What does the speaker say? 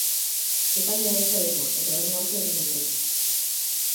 Epaia ez da irmoa, eta horren aurka egin daiteke.